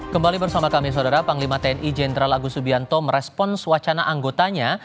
kembali bersama kami saudara panglima tni jenderal agus subianto merespons wacana anggotanya